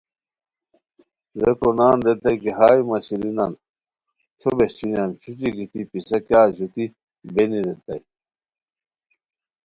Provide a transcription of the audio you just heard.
ریکو نان ریتائے کی ہائے مہ شیرینان کھیو بہچونیان! چھوچی گیتی پسہ کیاغ ژوتی بینی ریتائے